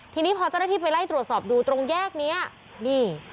ทีนี้พอเจ้าหน้าที่ไปไล่ตรวจสอบดูตรงแยกนี้นี่